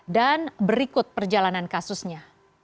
dan berikut perjalanan kasusnya